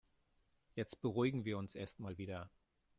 Jetzt beruhigen wir uns erstmal wieder.